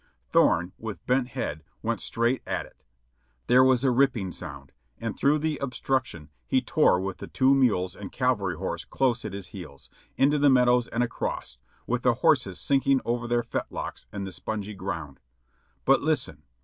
Thorne, with bent head, went straight at it. There was a ripping sound, and through the ob struction he tore with the two mules and cavalry horse close at his heels; into the meadows and across, with the horses sinking over their fetlocks in the spongy ground. But listen!